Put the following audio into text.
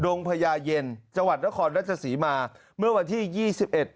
งพญาเย็นจังหวัดนครราชศรีมาเมื่อวันที่ยี่สิบเอ็ด